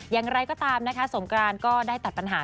อย่างไรก็ตามนะคะสงกรานก็ได้ตัดปัญหา